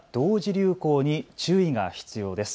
流行に注意が必要です。